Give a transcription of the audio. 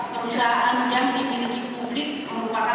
perusahaan yang dimiliki publik merupakan